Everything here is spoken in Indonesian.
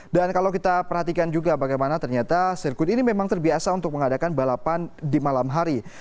dan kalau kita perhatikan juga bagaimana ternyata sirkuit ini memang terbiasa untuk mengadakan balapan di malam hari